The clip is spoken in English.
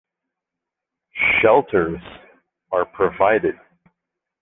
Shelters are provided.